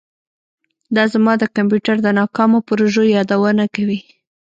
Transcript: دا زما د کمپیوټر د ناکامو پروژو یادونه کوي